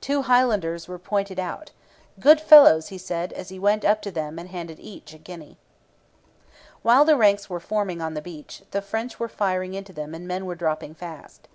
Two Highlanders were pointed out. 'Good fellows!' he said, as he went up to them and handed each a guinea. While the ranks were forming on the beach, the French were firing into them and men were dropping fast.